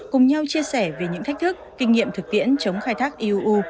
cùng nhau chia sẻ về những thách thức kinh nghiệm thực tiễn chống khai thác eu